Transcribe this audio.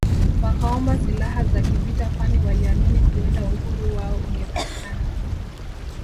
Wakaomba silaha za kivita kwani waliamini huenda uhuru wao ungepatikana